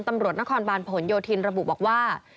ตำรวจนครบานผลโยธินระบุบอกว่า